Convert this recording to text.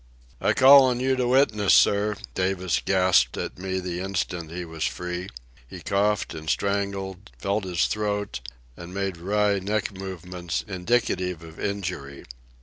"I call on you to witness, sir," Davis gasped at me the instant he was free. He coughed and strangled, felt his throat, and made wry neck movements indicative of injury.